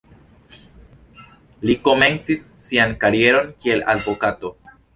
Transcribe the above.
Li komencis sian karieron kiel advokato.